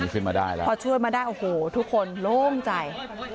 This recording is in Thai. พอช่วยมาได้โอ้โหทุกคนโล่งใจ